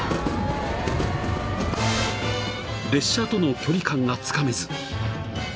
［列車との距離感がつかめず］